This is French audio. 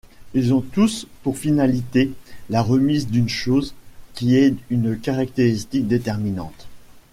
Ils ont tous pour finalité la remise d'une chose qui est une caractéristique déterminante.